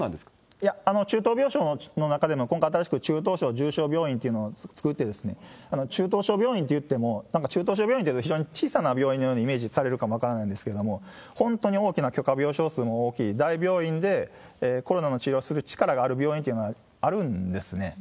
いや、中等病床の中でも、今度新しく中等症重症病院というのを作って、中等症病院というのは、小さな病院をイメージされる方もいると思うんですけれども、本当に大きな許可病床数も大きい、大病院でコロナの治療する力がある病院というのはあるんですね。